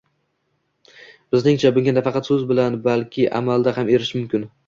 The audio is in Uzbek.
Bizningcha, bunga nafaqat so'z bilan, balki amalda ham erishish mumkin